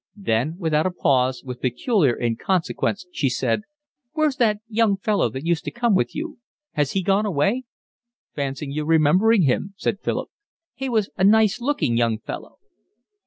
Then without a pause, with peculiar inconsequence, she said: "Where's that young fellow that used to come with you? Has he gone away?" "Fancy your remembering him," said Philip. "He was a nice looking young fellow."